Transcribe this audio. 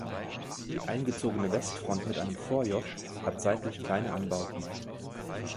Die eingezogene Westfront mit einem Vorjoch hat seitlich kleine Anbauten.